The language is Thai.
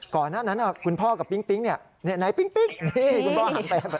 ก่อนหน้านั้นคุณพ่อกับปิ๊งเนี่ยไหนปิ๊งนี่คุณพ่อหันไป